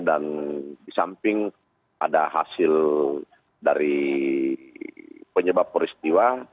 dan di samping ada hasil dari penyebab peristiwa